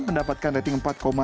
mendapatkan rating empat sembilan